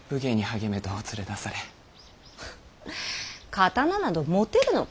刀など持てるのか。